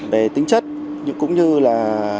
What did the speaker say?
về tính chất cũng như là